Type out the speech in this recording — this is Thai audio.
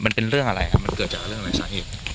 มันเป็นเรื่องอะไรครับมันเกิดจากเรื่องอะไรสาเหตุ